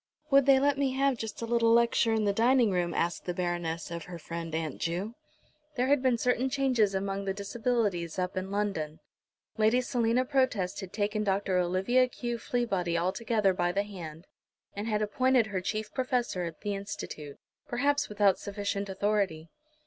"Would they let me have just a little lecture in the dining room?" asked the Baroness of her friend, Aunt Ju. There had been certain changes among the Disabilities up in London. Lady Selina Protest had taken Dr. Olivia Q. Fleabody altogether by the hand, and had appointed her chief professor at the Institute, perhaps without sufficient authority.